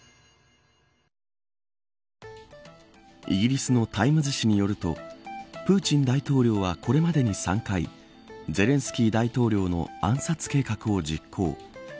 イギリスのタイムズ紙によるとプーチン大統領はこれまでに３回ゼレンスキー大統領の暗殺計画を実行。